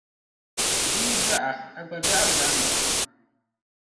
Bi yi dɔɣa,a gba dɔɣirila amaŋa.